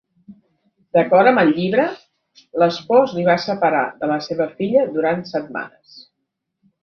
D'acord amb el llibre, l'espòs li va separar de la seva filla durant setmanes.